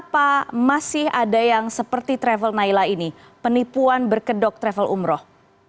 apa masih ada yang seperti travel naila ini penipuan berkedok travel umroh